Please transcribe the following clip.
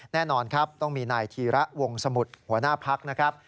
แน่นอนครับต้องมีนายธีระวงสมุทรหัวหน้าพักนะครับ